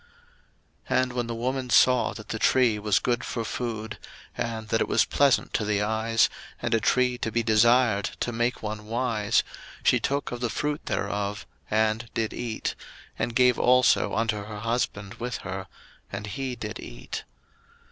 01:003:006 And when the woman saw that the tree was good for food, and that it was pleasant to the eyes, and a tree to be desired to make one wise, she took of the fruit thereof, and did eat, and gave also unto her husband with her; and he did eat.